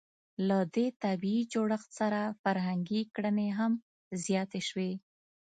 له دې طبیعي جوړښت سره فرهنګي کړنې هم زیاتې شوې.